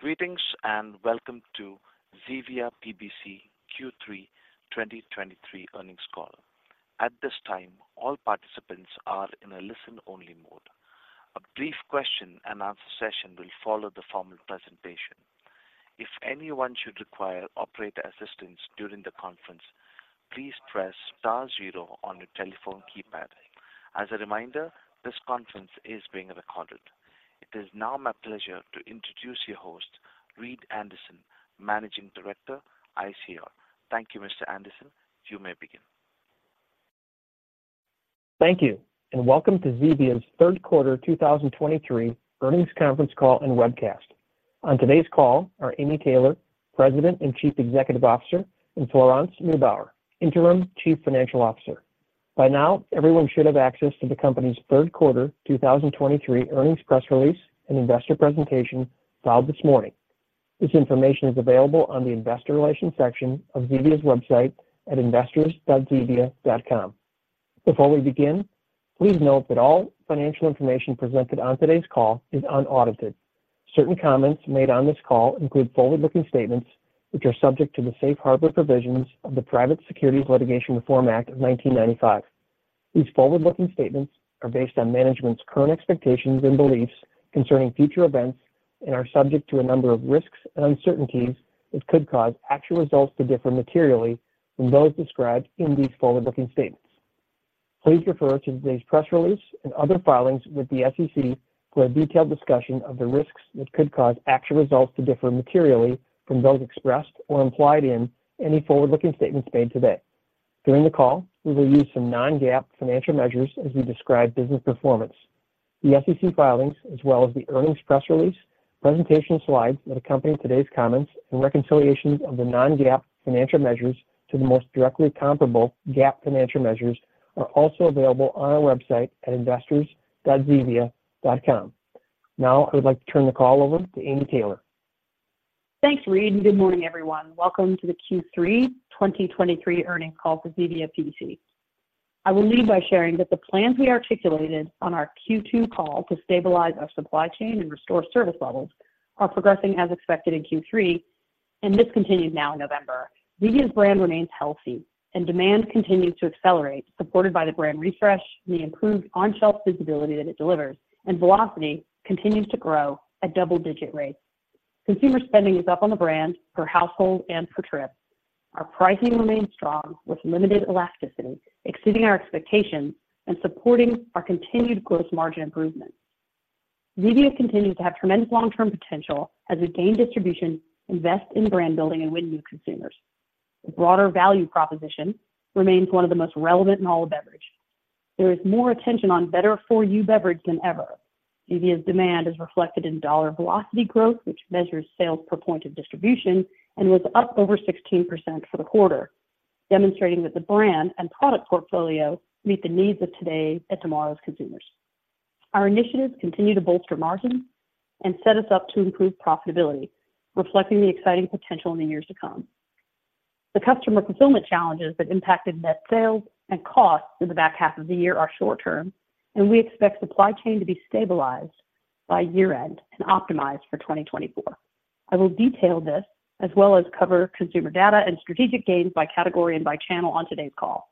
Greetings, and welcome to Zevia PBC Q3 2023 earnings call. At this time, all participants are in a listen-only mode. A brief question and answer session will follow the formal presentation. If anyone should require operator assistance during the conference, please press star zero on your telephone keypad. As a reminder, this conference is being recorded. It is now my pleasure to introduce your host, Reed Anderson, Managing Director, ICR. Thank you, Mr. Anderson. You may begin. Thank you, and welcome to Zevia's third quarter 2023 earnings conference call and webcast. On today's call are Amy Taylor, President and Chief Executive Officer, and Florence Neubauer, Interim Chief Financial Officer. By now, everyone should have access to the company's third quarter 2023 earnings press release and investor presentation filed this morning. This information is available on the investor relations section of Zevia's website at investors.zevia.com. Before we begin, please note that all financial information presented on today's call is unaudited. Certain comments made on this call include forward-looking statements, which are subject to the safe harbor provisions of the Private Securities Litigation Reform Act of 1995. These forward-looking statements are based on management's current expectations and beliefs concerning future events and are subject to a number of risks and uncertainties which could cause actual results to differ materially from those described in these forward-looking statements. Please refer to today's press release and other filings with the SEC for a detailed discussion of the risks that could cause actual results to differ materially from those expressed or implied in any forward-looking statements made today. During the call, we will use some Non-GAAP financial measures as we describe business performance. The SEC filings, as well as the earnings press release, presentation slides that accompany today's comments, and reconciliations of the Non-GAAP financial measures to the most directly comparable GAAP financial measures, are also available on our website at investors.zevia.com. Now, I would like to turn the call over to Amy Taylor. Thanks, Reed, and good morning, everyone. Welcome to the Q3 2023 earnings call for Zevia PBC. I will lead by sharing that the plans we articulated on our Q2 call to stabilize our supply chain and restore service levels are progressing as expected in Q3, and this continues now in November. Zevia's brand remains healthy and demand continues to accelerate, supported by the brand refresh and the improved on-shelf visibility that it delivers, and velocity continues to grow at double-digit rates. Consumer spending is up on the brand per household and per trip. Our pricing remains strong, with limited elasticity, exceeding our expectations and supporting our continued gross margin improvement. Zevia continues to have tremendous long-term potential as we gain distribution, invest in brand building, and win new consumers. The broader value proposition remains one of the most relevant in all of beverage. There is more attention on better for you beverage than ever. Zevia's demand is reflected in dollar velocity growth, which measures sales per point of distribution and was up over 16% for the quarter, demonstrating that the brand and product portfolio meet the needs of today and tomorrow's consumers. Our initiatives continue to bolster margins and set us up to improve profitability, reflecting the exciting potential in the years to come. The customer fulfillment challenges that impacted net sales and costs in the back half of the year are short term, and we expect supply chain to be stabilized by year-end and optimized for 2024. I will detail this as well as cover consumer data and strategic gains by category and by channel on today's call.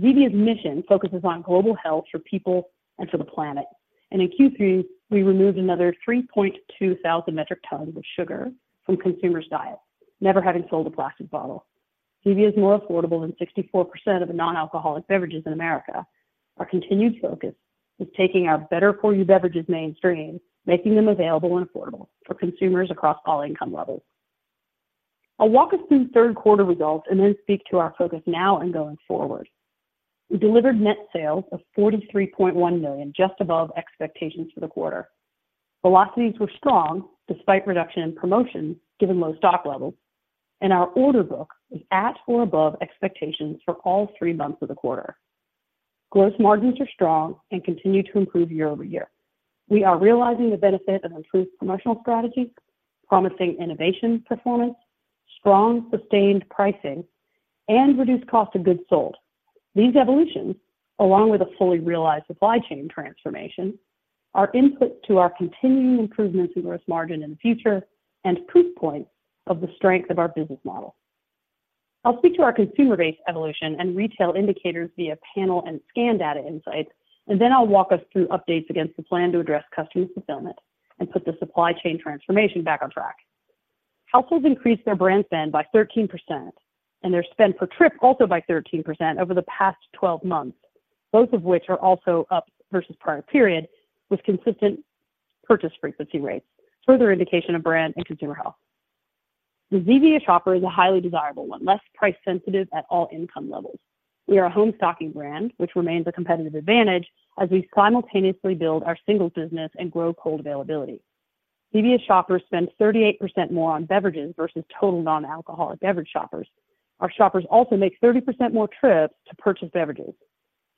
Zevia's mission focuses on global health for people and for the planet, and in Q3, we removed another 3,200 metric tons of sugar from consumers' diets, never having sold a plastic bottle. Zevia is more affordable than 64% of the non-alcoholic beverages in America. Our continued focus is taking our better for you beverages mainstream, making them available and affordable for consumers across all income levels. I'll walk us through third quarter results and then speak to our focus now and going forward. We delivered net sales of $43.1 million, just above expectations for the quarter. Velocities were strong despite reduction in promotions, given low stock levels, and our order book was at or above expectations for all three months of the quarter. Gross margins are strong and continue to improve year-over-year. We are realizing the benefit of improved promotional strategies, promising innovation performance, strong sustained pricing, and reduced cost of goods sold. These evolutions, along with a fully realized supply chain transformation, are input to our continuing improvements in gross margin in the future and proof points of the strength of our business model. I'll speak to our consumer base evolution and retail indicators via panel and scan data insights, and then I'll walk us through updates against the plan to address customer fulfillment and put the supply chain transformation back on track. Households increased their brand spend by 13% and their spend per trip also by 13% over the past 12 months, both of which are also up versus prior period, with consistent purchase frequency rates, further indication of brand and consumer health. The Zevia shopper is a highly desirable one, less price sensitive at all income levels. We are a home stocking brand, which remains a competitive advantage as we simultaneously build our singles business and grow cold availability. Zevia shoppers spend 38% more on beverages versus total non-alcoholic beverage shoppers. Our shoppers also make 30% more trips to purchase beverages.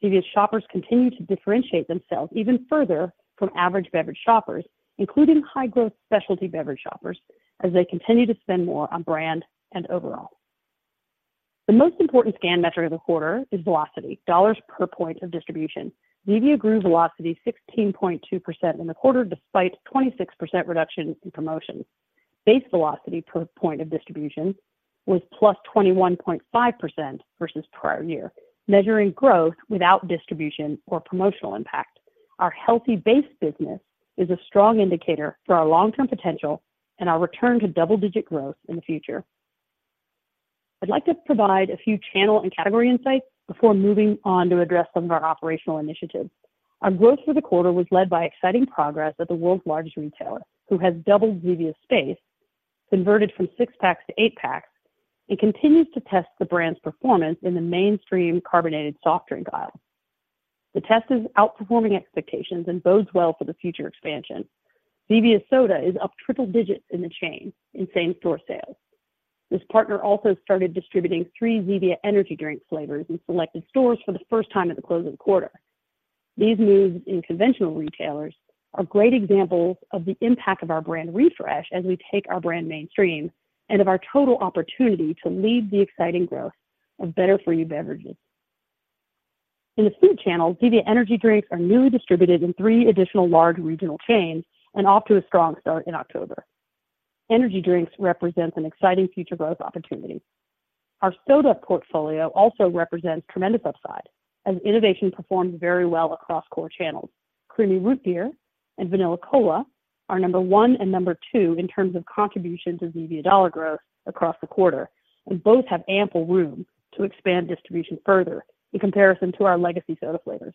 Zevia shoppers continue to differentiate themselves even further from average beverage shoppers, including high-growth specialty beverage shoppers, as they continue to spend more on brand and overall.... The most important scan metric of the quarter is velocity, dollars per point of distribution. Zevia grew velocity 16.2% in the quarter, despite 26% reduction in promotions. Base velocity per point of distribution was plus 21.5% versus prior year, measuring growth without distribution or promotional impact. Our healthy base business is a strong indicator for our long-term potential and our return to double-digit growth in the future. I'd like to provide a few channel and category insights before moving on to address some of our operational initiatives. Our growth for the quarter was led by exciting progress at the world's largest retailer, who has doubled Zevia's space, converted from 6-packs to eight-packs, and continues to test the brand's performance in the mainstream carbonated soft drink aisle. The test is outperforming expectations and bodes well for the future expansion. Zevia Soda is up triple digits in the chain in same-store sales. This partner also started distributing three Zevia Energy Drink flavors in selected stores for the first time at the close of the quarter. These moves in conventional retailers are great examples of the impact of our brand refresh as we take our brand mainstream, and of our total opportunity to lead the exciting growth of better-for-you beverages. In the food channel, Zevia Energy Drinks are newly distributed in three additional large regional chains and off to a strong start in October. Energy drinks represent an exciting future growth opportunity. Our soda portfolio also represents tremendous upside, as innovation performed very well across core channels. Creamy Root Beer and Vanilla Cola are number 1 and number 2 in terms of contributions of Zevia dollar growth across the quarter, and both have ample room to expand distribution further in comparison to our legacy soda flavors.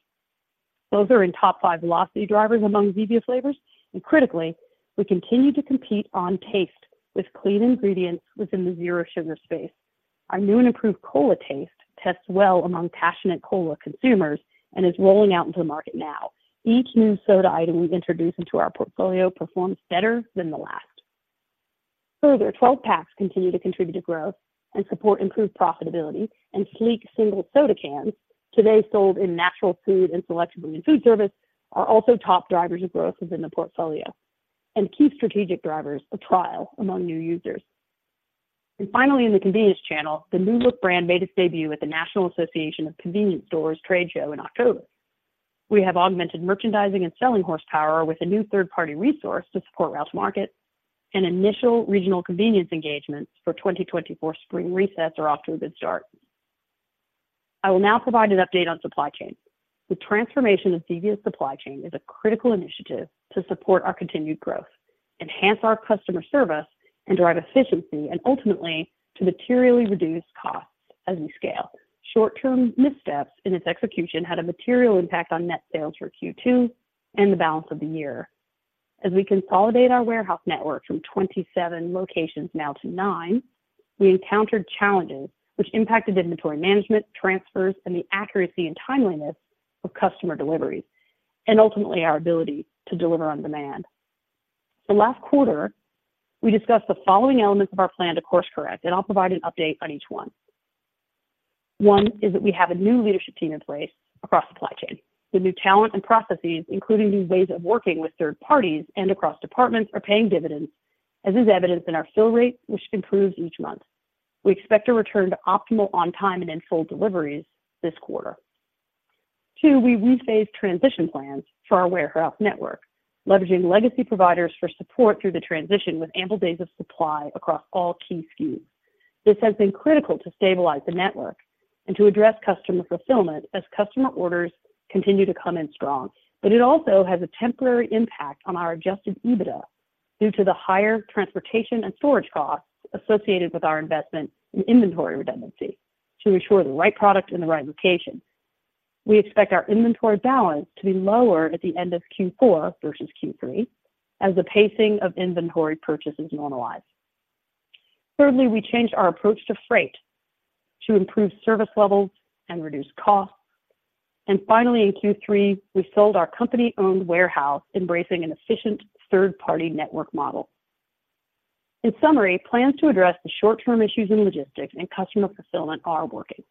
Both are in top five velocity drivers among Zevia flavors, and critically, we continue to compete on taste with clean ingredients within the zero sugar space. Our new and improved cola taste tests well among passionate cola consumers and is rolling out into the market now. Each new soda item we introduce into our portfolio performs better than the last. Further, 12-packs continue to contribute to growth and support improved profitability, and sleek single soda cans, today sold in natural food and select food service, are also top drivers of growth within the portfolio and key strategic drivers of trial among new users. Finally, in the convenience channel, the new-look brand made its debut at the National Association of Convenience Stores trade show in October. We have augmented merchandising and selling horsepower with a new third-party resource to support route to market, and initial regional convenience engagements for 2024 spring resets are off to a good start. I will now provide an update on supply chain. The transformation of Zevia's supply chain is a critical initiative to support our continued growth, enhance our customer service, and drive efficiency, and ultimately, to materially reduce costs as we scale. Short-term missteps in its execution had a material impact on Net Sales for Q2 and the balance of the year. As we consolidate our warehouse network from 27 locations now to 9, we encountered challenges which impacted inventory management, transfers, and the accuracy and timeliness of customer deliveries, and ultimately, our ability to deliver on demand. So last quarter, we discussed the following elements of our plan to course correct, and I'll provide an update on each one. One is that we have a new leadership team in place across Supply Chain. The new talent and processes, including new ways of working with third parties and across departments, are paying dividends, as is evidenced in our Fill Rate, which improves each month. We expect to return to optimal on time and in-full deliveries this quarter. Two, we rephased transition plans for our warehouse network, leveraging legacy providers for support through the transition with ample days of supply across all key SKUs. This has been critical to stabilize the network and to address customer fulfillment as customer orders continue to come in strong. But it also has a temporary impact on our Adjusted EBITDA due to the higher transportation and storage costs associated with our investment in inventory redundancy to ensure the right product in the right location. We expect our inventory balance to be lower at the end of Q4 versus Q3, as the pacing of inventory purchases normalize. Thirdly, we changed our approach to freight to improve service levels and reduce costs. And finally, in Q3, we sold our company-owned warehouse, embracing an efficient third-party network model. In summary, plans to address the short-term issues in logistics and customer fulfillment are working.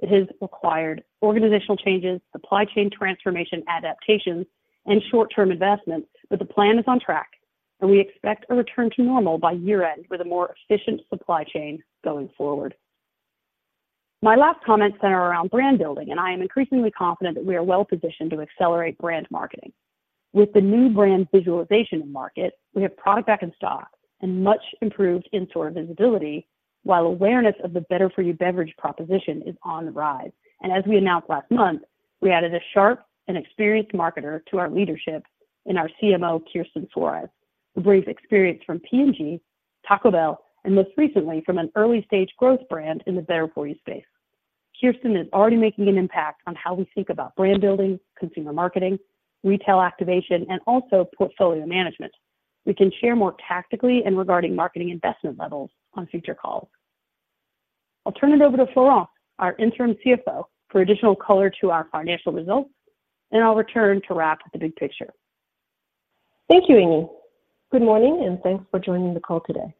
It has required organizational changes, supply chain transformation adaptations, and short-term investments, but the plan is on track, and we expect a return to normal by year-end, with a more efficient supply chain going forward. My last comments center around brand building, and I am increasingly confident that we are well positioned to accelerate brand marketing. With the new brand visualization in market, we have product back in stock and much improved in-store visibility, while awareness of the Better For You beverage proposition is on the rise. As we announced last month, we added a sharp and experienced marketer to our leadership in our CMO, Kirsten Suarez, who brings experience from P&G, Taco Bell, and most recently, from an early-stage growth brand in the Better For You space. Kirsten is already making an impact on how we think about brand building, consumer marketing, retail activation, and also portfolio management. We can share more tactically regarding marketing investment levels on future calls. I'll turn it over to Flora, our interim CFO, for additional color to our financial results, and I'll return to wrap with the big picture. Thank you, Amy. Good morning, and thanks for joining the call today.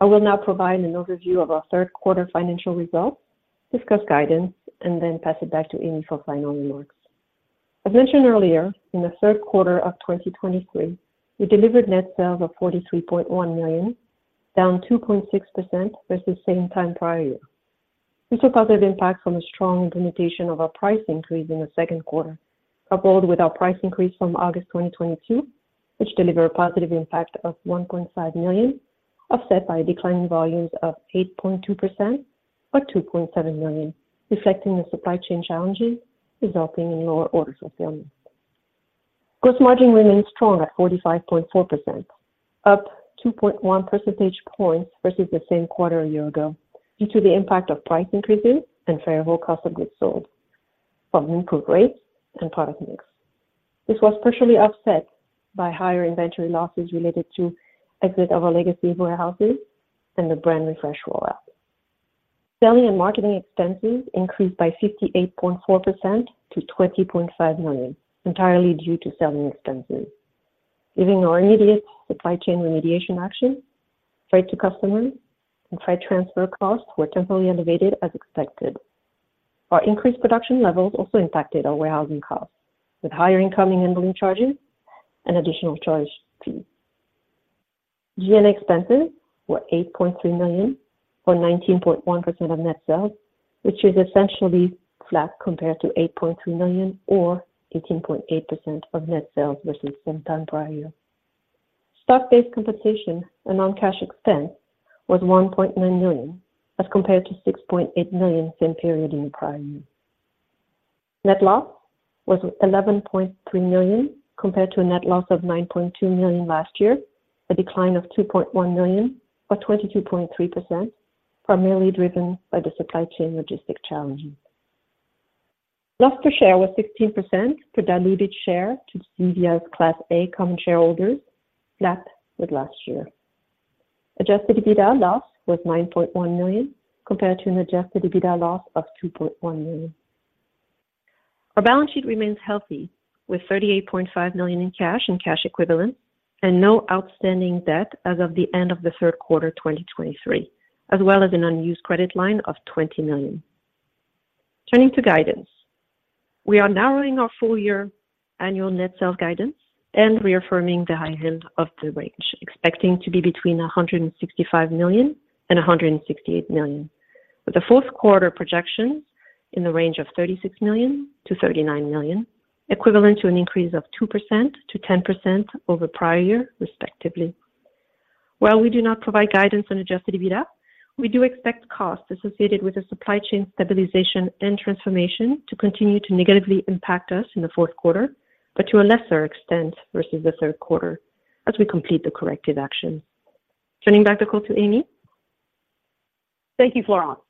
I will now provide an overview of our third quarter financial results, discuss guidance, and then pass it back to Amy for final remarks. As mentioned earlier, in the third quarter of 2023, we delivered net sales of $43.1 million, down 2.6% versus same time prior year. This a positive impact from the strong implementation of our price increase in the second quarter, coupled with our price increase from August 2022, which delivered a positive impact of $1.5 million, offset by a decline in volumes of 8.2% or 2.7 million, reflecting the supply chain challenges resulting in lower order fulfillment. Gross margin remains strong at 45.4%, up 2.1 percentage points versus the same quarter a year ago, due to the impact of price increases and favorable cost of goods sold from improved rates and product mix. This was partially offset by higher inventory losses related to exit of our legacy warehouses and the brand refresh rollout. Selling and marketing expenses increased by 58.4% to $20.5 million, entirely due to selling expenses. Given our immediate supply chain remediation action, freight to customers and freight transfer costs were temporarily elevated as expected. Our increased production levels also impacted our warehousing costs, with higher incoming handling charges and additional charge fees. SG&A expenses were $8.3 million, or 19.1% of net sales, which is essentially flat compared to $8.3 million or 18.8% of net sales versus the same time prior year. Stock-based compensation and non-cash expense was $1.9 million as compared to $6.8 million same period in the prior year. Net loss was $11.3 million, compared to a net loss of $9.2 million last year, a decline of $2.1 million, or 22.3%, primarily driven by the supply chain logistic challenges. Loss per share was ($0.16) for diluted share to Zevia's Class A common shareholders, flat with last year. Adjusted EBITDA loss was $9.1 million, compared to an adjusted EBITDA loss of $2.1 million. Our balance sheet remains healthy, with $38.5 million in cash and cash equivalents, and no outstanding debt as of the end of the third quarter, 2023, as well as an unused credit line of $20 million. Turning to guidance, we are narrowing our full year annual net sales guidance and reaffirming the high end of the range, expecting to be between $165 million and $168 million, with the fourth quarter projections in the range of $36 million-$39 million, equivalent to an increase of 2%-10% over the prior year, respectively. While we do not provide guidance on Adjusted EBITDA, we do expect costs associated with the supply chain stabilization and transformation to continue to negatively impact us in the fourth quarter, but to a lesser extent versus the third quarter as we complete the corrective action. Turning back the call to Amy. Thank you, Florence.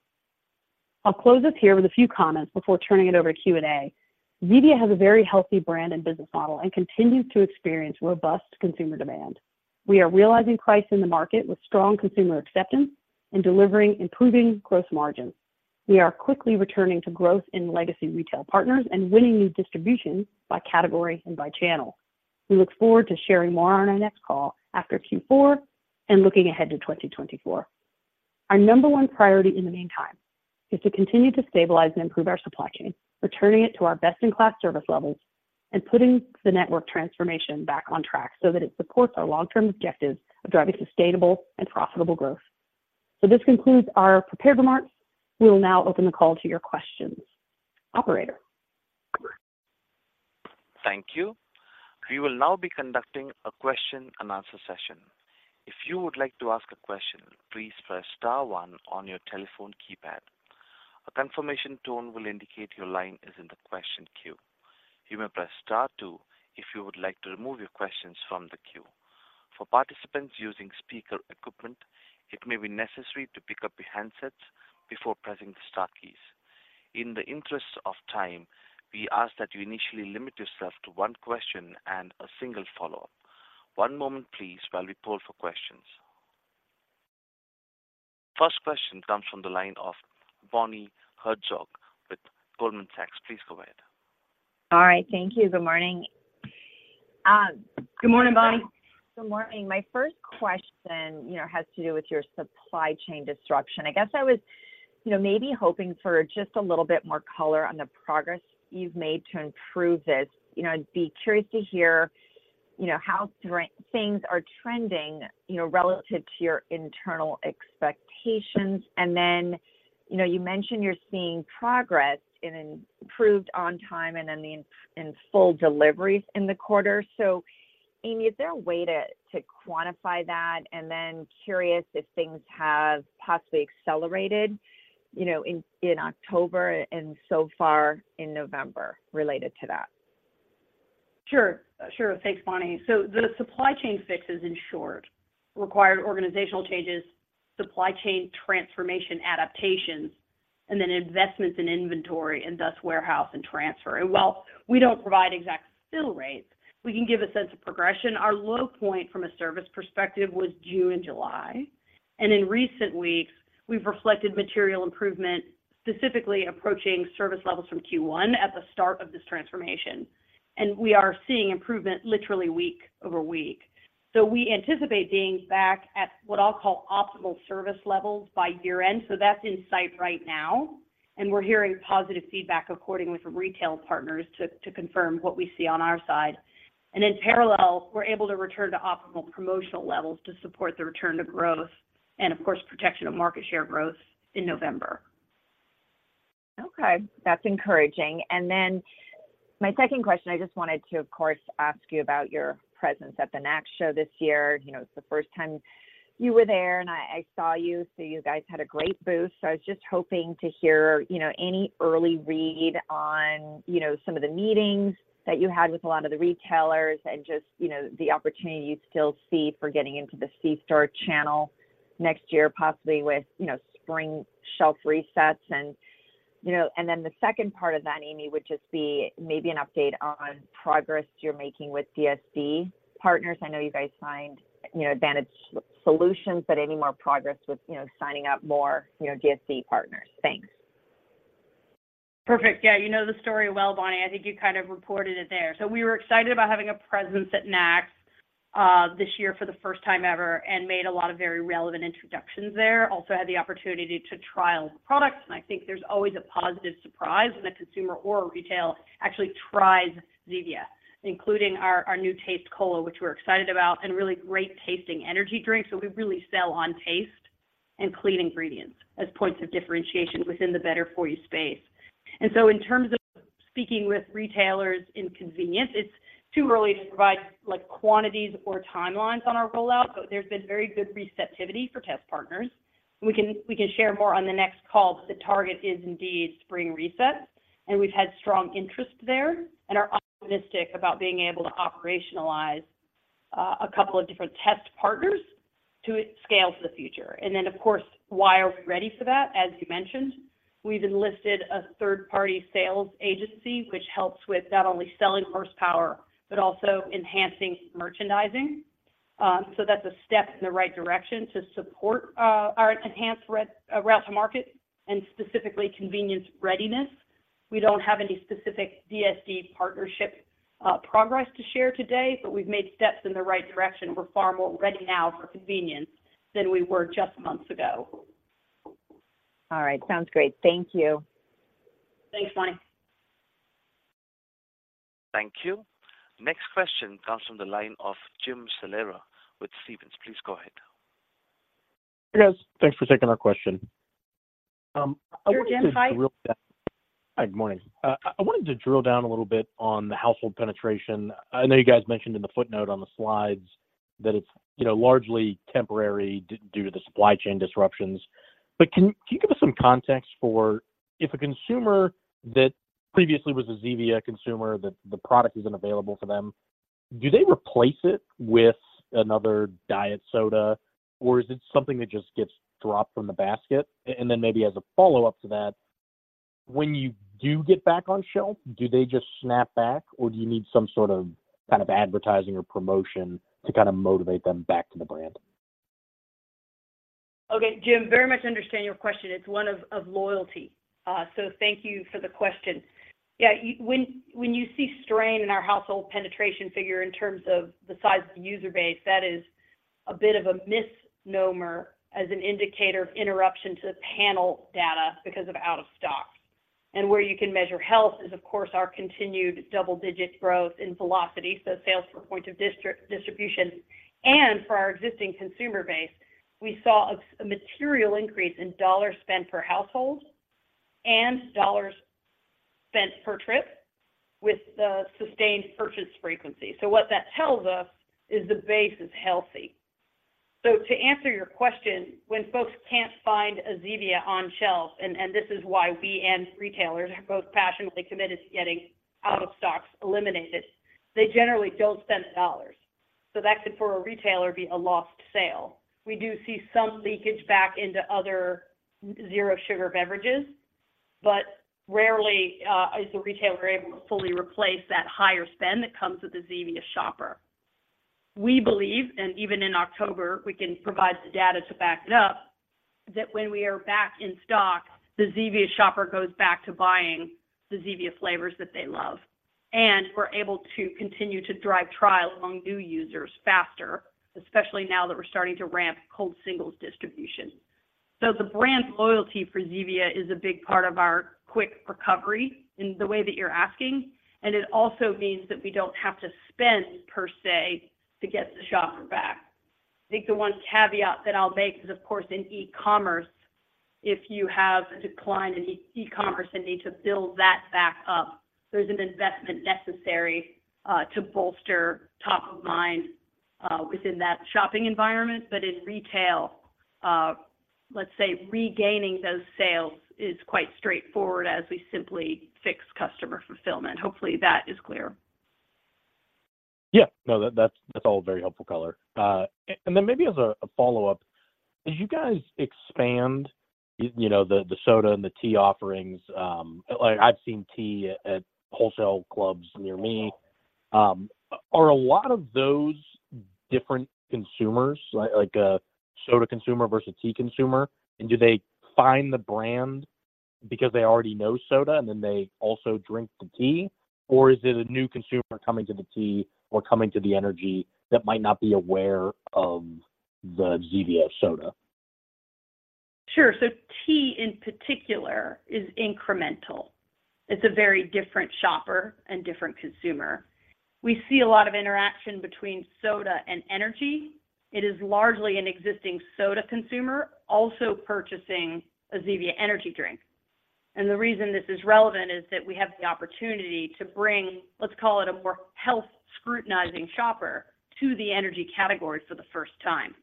I'll close this here with a few comments before turning it over to Q&A. Zevia has a very healthy brand and business model and continues to experience robust consumer demand. We are realizing price in the market with strong consumer acceptance and delivering improving gross margins. We are quickly returning to growth in legacy retail partners and winning new distribution by category and by channel. We look forward to sharing more on our next call after Q4 and looking ahead to 2024. Our number one priority in the meantime is to continue to stabilize and improve our supply chain, returning it to our best-in-class service levels, and putting the network transformation back on track so that it supports our long-term objectives of driving sustainable and profitable growth. So this concludes our prepared remarks. We will now open the call to your questions. Operator? Thank you. We will now be conducting a question and answer session. If you would like to ask a question, please press star one on your telephone keypad. A confirmation tone will indicate your line is in the question queue. You may press star two if you would like to remove your questions from the queue. For participants using speaker equipment, it may be necessary to pick up your handsets before pressing the star keys. In the interest of time, we ask that you initially limit yourself to one question and a single follow-up. One moment please, while we pull for questions. First question comes from the line of Bonnie Herzog with Goldman Sachs. Please go ahead. All right, thank you. Good morning. Good morning, Bonnie. Good morning. My first question, you know, has to do with your supply chain disruption. I guess I was, you know, maybe hoping for just a little bit more color on the progress you've made to improve this. You know, I'd be curious to hear, you know, how things are trending, you know, relative to your internal expectations. And then, you know, you mentioned you're seeing progress in improved on time and in full deliveries in the quarter. So Amy, is there a way to quantify that? And then curious if things have possibly accelerated, you know, in October and so far in November related to that? Sure. Sure. Thanks, Bonnie. So the supply chain fixes, in short, required organizational changes, supply chain transformation adaptations, and then investments in inventory and thus warehouse and transfer. And while we don't provide exact fill rates, we can give a sense of progression. Our low point from a service perspective was June and July, and in recent weeks, we've reflected material improvement, specifically approaching service levels from Q1 at the start of this transformation. And we are seeing improvement literally week over week. So we anticipate being back at what I'll call optimal service levels by year-end. So that's in sight right now... and we're hearing positive feedback, accordingly, from retail partners to confirm what we see on our side. And in parallel, we're able to return to optimal promotional levels to support the return to growth and, of course, protection of market share growth in November. Okay, that's encouraging. And then my second question, I just wanted to, of course, ask you about your presence at the NACS show this year. You know, it's the first time you were there, and I, I saw you, so you guys had a great booth. So I was just hoping to hear, you know, any early read on, you know, some of the meetings that you had with a lot of the retailers and just, you know, the opportunity you still see for getting into the C-store channel next year, possibly with, you know, spring shelf resets. And, you know, and then the second part of that, Amy, would just be maybe an update on progress you're making with DSD partners. I know you guys signed, you know, Advantage Solutions, but any more progress with, you know, signing up more, you know, DSD partners? Thanks. Perfect. Yeah, you know the story well, Bonnie. I think you kind of reported it there. So we were excited about having a presence at NACS this year for the first time ever and made a lot of very relevant introductions there. Also had the opportunity to trial products, and I think there's always a positive surprise when a consumer or a retailer actually tries Zevia, including our new taste Cola, which we're excited about, and really great-tasting energy drinks. So we really sell on taste and clean ingredients as points of differentiation within the better for you space. And so in terms of speaking with retailers in convenience, it's too early to provide like quantities or timelines on our rollout, but there's been very good receptivity for test partners. We can, we can share more on the next call, but the target is indeed spring reset, and we've had strong interest there and are optimistic about being able to operationalize a couple of different test partners to scale to the future. And then, of course, why are we ready for that? As you mentioned, we've enlisted a third-party sales agency, which helps with not only selling horsepower, but also enhancing merchandising. So that's a step in the right direction to support our enhanced route to market and specifically convenience readiness. We don't have any specific DSD partnership progress to share today, but we've made steps in the right direction. We're far more ready now for convenience than we were just months ago. All right. Sounds great. Thank you. Thanks, Bonnie. Thank you. Next question comes from the line of Jim Salera with Stephens. Please go ahead. Hey, guys. Thanks for taking our question. I wanted to- Sure, Jim. Hi. Hi, good morning. I wanted to drill down a little bit on the household penetration. I know you guys mentioned in the footnote on the slides that it's, you know, largely temporary due to the supply chain disruptions. But can you give us some context for if a consumer that previously was a Zevia consumer, that the product isn't available to them, do they replace it with another diet soda, or is it something that just gets dropped from the basket? And then maybe as a follow-up to that, when you do get back on shelf, do they just snap back, or do you need some sort of advertising or promotion to kinda motivate them back to the brand? Okay, Jim, very much understand your question. It's one of loyalty, so thank you for the question. Yeah, you, when you see strain in our household penetration figure in terms of the size of the user base, that is a bit of a misnomer as an indicator of interruption to the panel data because of out of stocks. Where you can measure health is, of course, our continued double-digit growth in velocity, so sales per point of distribution. For our existing consumer base, we saw a material increase in dollar spend per household and dollars spent per trip with the sustained purchase frequency. So what that tells us is the base is healthy. So to answer your question, when folks can't find a Zevia on shelf, and, and this is why we and retailers are both passionately committed to getting out of stocks eliminated, they generally don't spend the dollars. So that could, for a retailer, be a lost sale. We do see some leakage back into other zero sugar beverages, but rarely is the retailer able to fully replace that higher spend that comes with a Zevia shopper. We believe, and even in October, we can provide the data to back it up, that when we are back in stock, the Zevia shopper goes back to buying the Zevia flavors that they love. And we're able to continue to drive trial among new users faster, especially now that we're starting to ramp cold singles distribution. So the brand loyalty for Zevia is a big part of our quick recovery in the way that you're asking, and it also means that we don't have to spend, per se, to get the shopper back. I think the one caveat that I'll make is, of course, in e-commerce, if you have a decline in e-commerce and need to build that back up, there's an investment necessary to bolster top of mind within that shopping environment. But in retail, let's say regaining those sales is quite straightforward as we simply fix customer fulfillment. Hopefully, that is clear. Yeah. No, that's all very helpful color. And then maybe as a follow-up, as you guys expand, you know, the soda and the tea offerings. Like, I've seen tea at wholesale clubs near me. Are a lot of those different consumers, like a soda consumer versus a tea consumer? And do they find the brand because they already know soda, and then they also drink the tea? Or is it a new consumer coming to the tea or coming to the energy that might not be aware of the Zevia soda? Sure. So tea in particular is incremental. It's a very different shopper and different consumer. We see a lot of interaction between soda and energy. It is largely an existing soda consumer, also purchasing a Zevia energy drink. And the reason this is relevant is that we have the opportunity to bring, let's call it a more health scrutinizing shopper, to the energy category for the first time.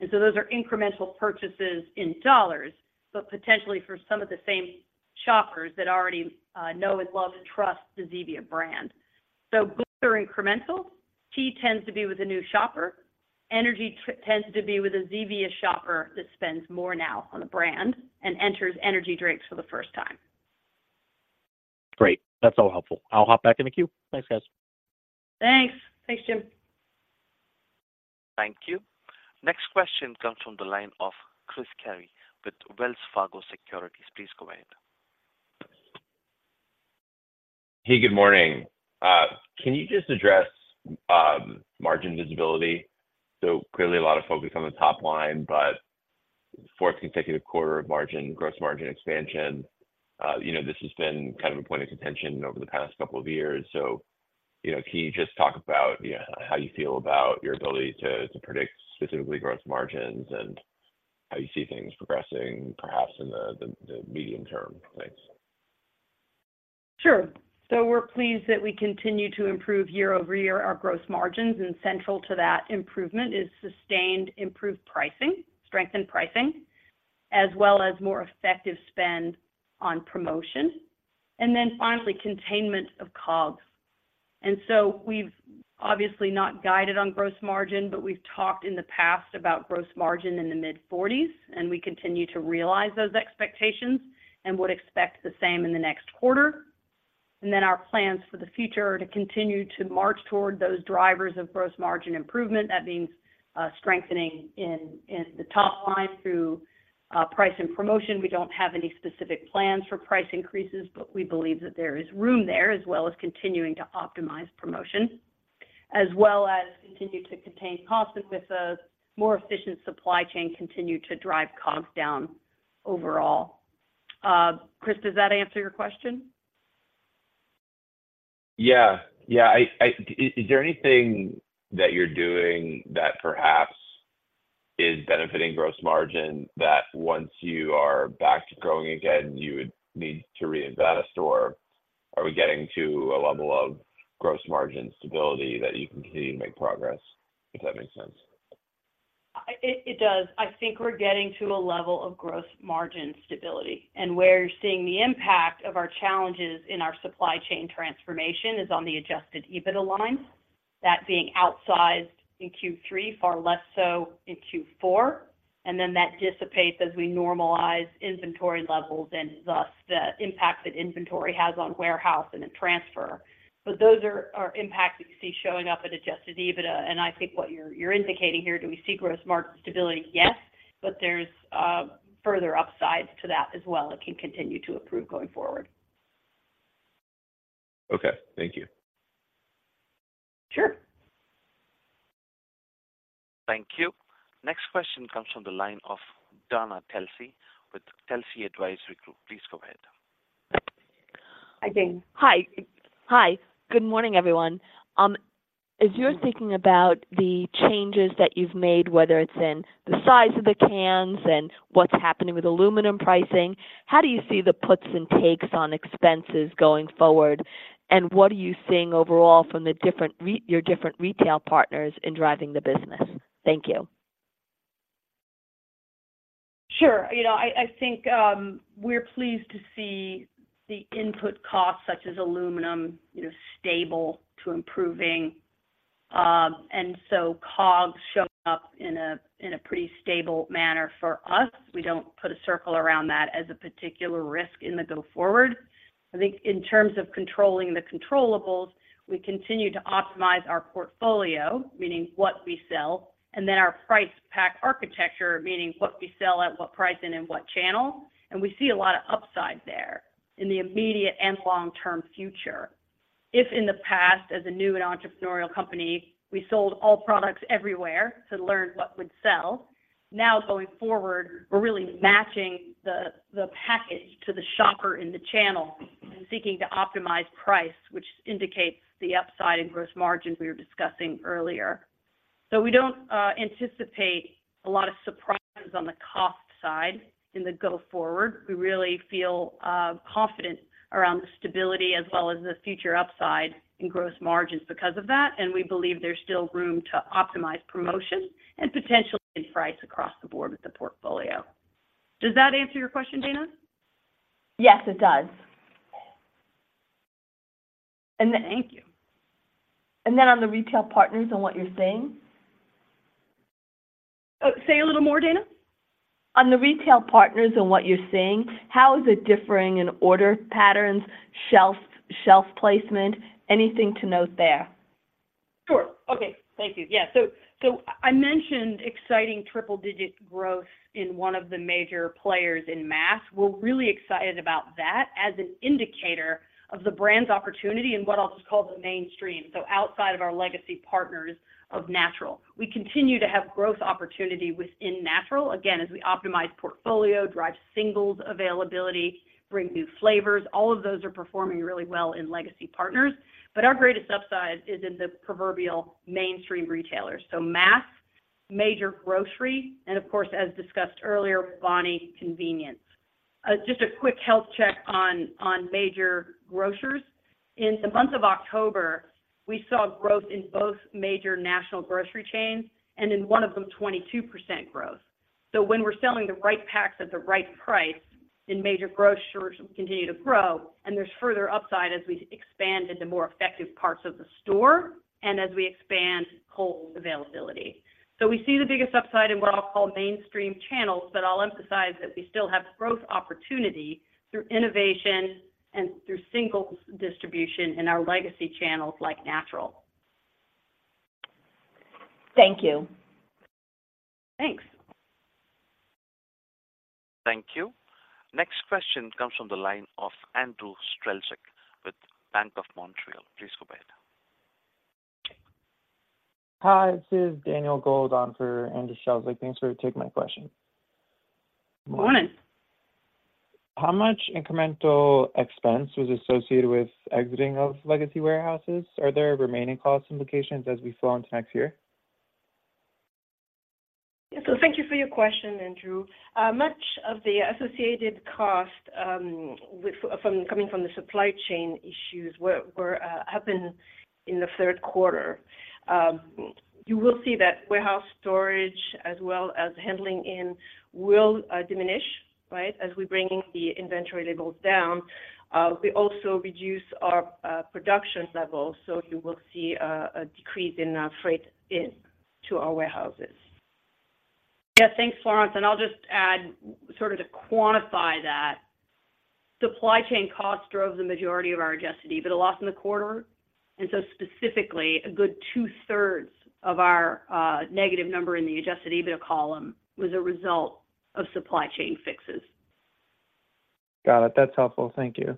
And so those are incremental purchases in dollars, but potentially for some of the same shoppers that already know, and love, and trust the Zevia brand. So both are incremental. Tea tends to be with a new shopper. Energy tends to be with a Zevia shopper that spends more now on the brand and enters energy drinks for the first time. Great. That's all helpful. I'll hop back in the queue. Thanks, guys. Thanks. Thanks, Jim. Thank you. Next question comes from the line of Chris Carey with Wells Fargo Securities. Please go ahead. Hey, good morning. Can you just address margin visibility? So clearly a lot of focus on the top line, but fourth consecutive quarter of margin, gross margin expansion. You know, this has been kind of a point of contention over the past couple of years, so, you know, can you just talk about, yeah, how you feel about your ability to predict specifically gross margins and how you see things progressing, perhaps in the medium term? Thanks. Sure. So we're pleased that we continue to improve year-over-year, our gross margins, and central to that improvement is sustained, improved pricing, strengthened pricing, as well as more effective spend on promotion, and then finally, containment of COGS. And so we've obviously not guided on gross margin, but we've talked in the past about gross margin in the mid-40s%, and we continue to realize those expectations and would expect the same in the next quarter. And then our plans for the future are to continue to march toward those drivers of gross margin improvement. That means, strengthening in, in the top line through, price and promotion. We don't have any specific plans for price increases, but we believe that there is room there, as well as continuing to optimize promotion, as well as continue to contain costs, and with a more efficient supply chain, continue to drive COGS down overall. Chris, does that answer your question? Yeah. Yeah. Is there anything that you're doing that perhaps is benefiting gross margin that once you are back to growing again, you would need to reinvest or are we getting to a level of gross margin stability that you can continue to make progress, if that makes sense? It does. I think we're getting to a level of Gross Margin stability, and where you're seeing the impact of our challenges in our supply chain transformation is on the Adjusted EBITDA line, that being outsized in Q3, far less so in Q4, and then that dissipates as we normalize inventory levels and thus the impact that inventory has on warehouse and in transfer. But those are impacts that you see showing up at Adjusted EBITDA, and I think what you're indicating here, do we see Gross Margin stability? Yes, but there's further upsides to that as well. It can continue to improve going forward. Okay. Thank you. Sure. Thank you. Next question comes from the line of Dana Telsey with Telsey Advisory Group. Please go ahead. Hi, Dana. Hi. Hi. Good morning, everyone. As you're thinking about the changes that you've made, whether it's in the size of the cans and what's happening with aluminum pricing, how do you see the puts and takes on expenses going forward? And what are you seeing overall from the different retailers, your different retail partners in driving the business? Thank you. Sure. You know, I think we're pleased to see the input costs such as aluminum, you know, stable to improving. And so COGS showing up in a pretty stable manner for us. We don't put a circle around that as a particular risk in the go forward. I think in terms of controlling the controllables, we continue to optimize our portfolio, meaning what we sell, and then our Price Pack Architecture, meaning what we sell at what price and in what channel, and we see a lot of upside there in the immediate and long-term future. If in the past, as a new and entrepreneurial company, we sold all products everywhere to learn what would sell, now going forward, we're really matching the package to the shopper in the channel and seeking to optimize price, which indicates the upside in gross margins we were discussing earlier. So we don't anticipate a lot of surprises on the cost side in the go forward. We really feel confident around the stability as well as the future upside in gross margins because of that, and we believe there's still room to optimize promotion and potentially price across the board with the portfolio. Does that answer your question, Dana? Yes, it does. Thank you. Then on the retail partners and what you're seeing? Say a little more, Dana. On the retail partners and what you're seeing, how is it differing in order patterns, shelf, shelf placement, anything to note there? Sure. Okay, thank you. Yeah, so, so I mentioned exciting triple-digit growth in one of the major players in mass. We're really excited about that as an indicator of the brand's opportunity in what I'll just call the mainstream, so outside of our legacy partners of natural. We continue to have growth opportunity within natural. Again, as we optimize portfolio, drive singles availability, bring new flavors, all of those are performing really well in legacy partners. But our greatest upside is in the proverbial mainstream retailers. So mass, major grocery, and of course, as discussed earlier, Bonnie, convenience. Just a quick health check on major grocers. In the month of October, we saw growth in both major national grocery chains, and in one of them, 22% growth. When we're selling the right packs at the right price, then major grocers continue to grow, and there's further upside as we expand into more effective parts of the store and as we expand whole availability. We see the biggest upside in what I'll call mainstream channels, but I'll emphasize that we still have growth opportunity through innovation and through singles distribution in our legacy channels like Natural. Thank you. Thanks. Thank you. Next question comes from the line of Andrew Strelzik with Bank of Montreal. Please go ahead. Hi, this is Daniel Gold on for Andrew Strelzik. Thanks for taking my question. Good morning. How much incremental expense was associated with exiting those legacy warehouses? Are there remaining cost implications as we flow into next year? So thank you for your question, Andrew. Much of the associated cost coming from the supply chain issues were happened in the third quarter. You will see that warehouse storage, as well as handling in, will diminish, right, as we bringing the inventory levels down. We also reduce our production levels, so you will see a decrease in freight in to our warehouses. Yeah, thanks, Florence. And I'll just add, sort of to quantify that, supply chain costs drove the majority of our Adjusted EBITDA loss in the quarter, and so specifically, a good two-thirds of our negative number in the Adjusted EBITDA column was a result of supply chain fixes. Got it. That's helpful. Thank you.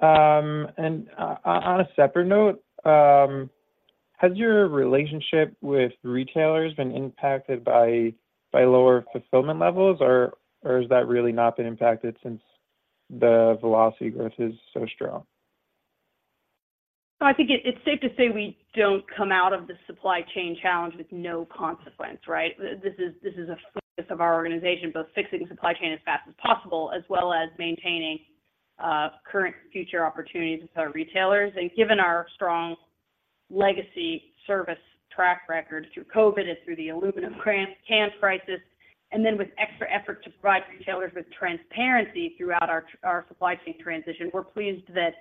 And on a separate note, has your relationship with retailers been impacted by lower fulfillment levels, or has that really not been impacted since the velocity growth is so strong? So I think it's safe to say we don't come out of the supply chain challenge with no consequence, right? This is a focus of our organization, both fixing supply chain as fast as possible, as well as maintaining current and future opportunities with our retailers. And given our strong legacy service track record through COVID and through the aluminum can crisis, and then with extra effort to provide retailers with transparency throughout our supply chain transition, we're pleased that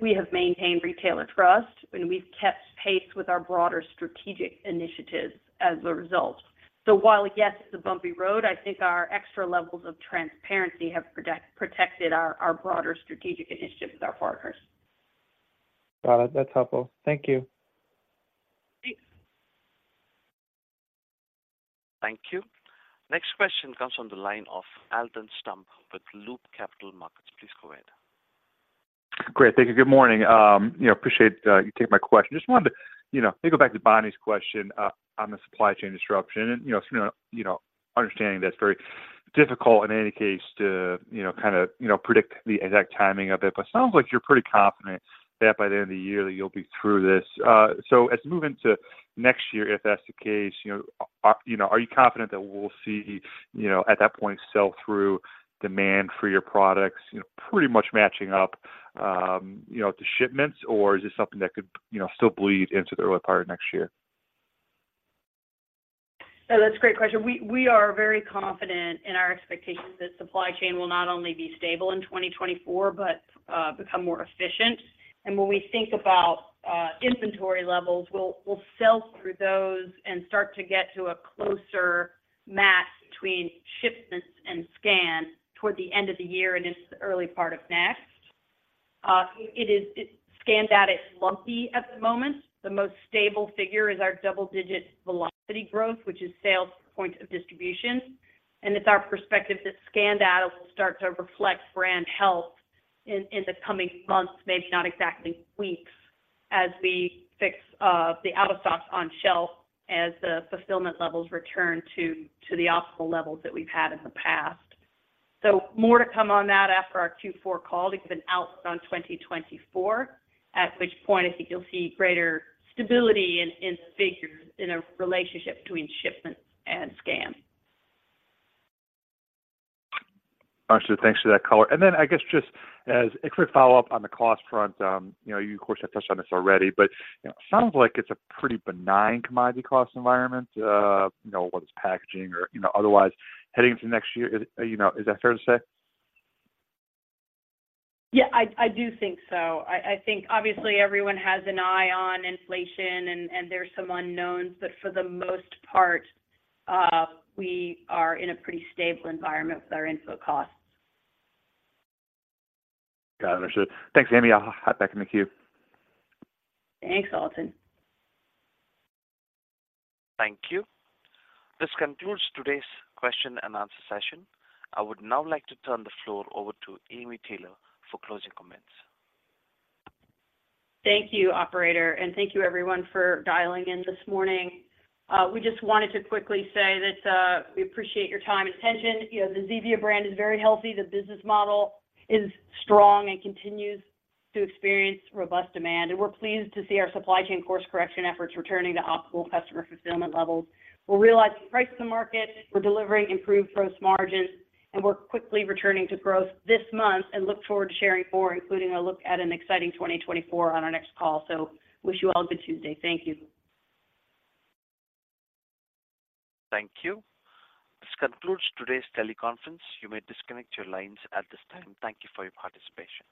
we have maintained retailer trust, and we've kept pace with our broader strategic initiatives as a result. So while, yes, it's a bumpy road, I think our extra levels of transparency have protected our broader strategic initiatives with our partners. Got it. That's helpful. Thank you. Thanks. Thank you. Next question comes from the line of Alton Stump with Loop Capital Markets. Please go ahead. Great, thank you. Good morning. You know, appreciate you taking my question. Just wanted to, you know, maybe go back to Bonnie's question on the supply chain disruption. You know, understanding that it's very difficult in any case to, you know, kind of predict the exact timing of it, but it sounds like you're pretty confident that by the end of the year, you'll be through this. So as we move into next year, if that's the case, you know, are you confident that we'll see, you know, at that point, sell-through demand for your products, you know, pretty much matching up, you know, the shipments? Or is this something that could, you know, still bleed into the early part of next year? So that's a great question. We are very confident in our expectations that supply chain will not only be stable in 2024, but become more efficient. When we think about inventory levels, we'll sell through those and start to get to a closer match between shipments and scan toward the end of the year and into the early part of next. Scan data is lumpy at the moment. The most stable figure is our double-digit velocity growth, which is sales point of distribution. It's our perspective that scan data will start to reflect brand health in the coming months, maybe not exactly weeks, as we fix the out-of-stocks on shelf, as the fulfillment levels return to the optimal levels that we've had in the past. More to come on that after our Q4 call to give an outlook on 2024, at which point I think you'll see greater stability in the figures, in a relationship between shipments and scan. Gotcha. Thanks for that color. And then I guess just as a quick follow-up on the cost front, you know, you, of course, have touched on this already, but, you know, it sounds like it's a pretty benign commodity cost environment, you know, whether it's packaging or, you know, otherwise, heading into next year. Is, you know, is that fair to say? Yeah, I do think so. I think obviously everyone has an eye on inflation and there are some unknowns, but for the most part, we are in a pretty stable environment with our input costs. Got it. Understood. Thanks, Amy. I'll hop back in the queue. Thanks, Alton. Thank you. This concludes today's question and answer session. I would now like to turn the floor over to Amy Taylor for closing comments. Thank you, operator, and thank you everyone for dialing in this morning. We just wanted to quickly say that, we appreciate your time and attention. You know, the Zevia brand is very healthy. The business model is strong and continues to experience robust demand, and we're pleased to see our supply chain course correction efforts returning to optimal customer fulfillment levels. We're realizing price to market, we're delivering improved gross margins, and we're quickly returning to growth this month and look forward to sharing more, including a look at an exciting 2024 on our next call. So wish you all a good Tuesday. Thank you. Thank you. This concludes today's teleconference. You may disconnect your lines at this time. Thank you for your participation.